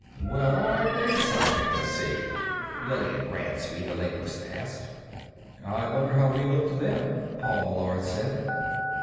"Well, aren't they something to see?" Lillian Ransby, the linguist asked. "I wonder how we look to them," Paul Meillard said.